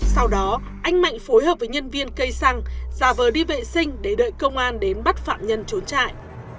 sau đó anh mạnh phối hợp với nhân viên cây xăng giả vờ đi vệ sinh để đợi công an đến bắt phạm nhân trốn trại